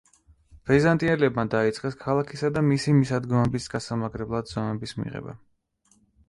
ბიზანტიელებმა დაიწყეს ქალაქისა და მისი მისადგომების გასამაგრებლად ზომების მიღება.